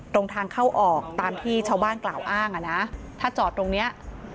ตรงทางเข้าออกตามที่ชาวบ้านกล่าวอ้างอ่ะนะถ้าจอดตรงเนี้ย